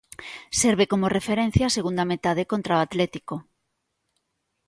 Serve como referencia a segunda metade contra o Atlético.